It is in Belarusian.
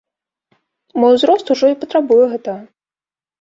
Мой узрост ужо і патрабуе гэтага.